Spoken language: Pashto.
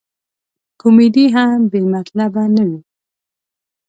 کمیډي هم بې مطلبه نه وي.